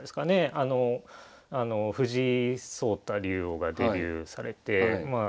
藤井聡太竜王がデビューされてまあ